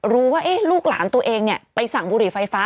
ลูกหลานตัวเองไปสั่งบุหรี่ไฟฟ้า